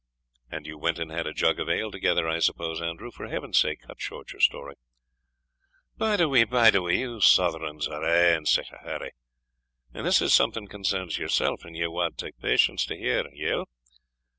"And you went and had a jug of ale together, I suppose, Andrew? For Heaven's sake, cut short your story." "Bide a wee bide a wee; you southrons are aye in sic a hurry, and this is something concerns yourself, an ye wad tak patience to hear't Yill?